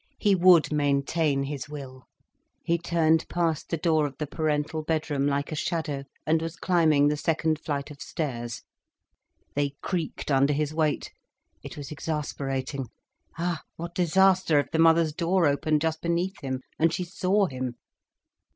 He would maintain his will. He turned past the door of the parental bedroom like a shadow, and was climbing the second flight of stairs. They creaked under his weight—it was exasperating. Ah what disaster, if the mother's door opened just beneath him, and she saw him!